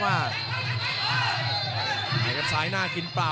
กำปั้นขวาสายวัดระยะไปเรื่อย